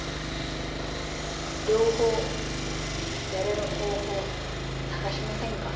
両方やれる方法探しませんか？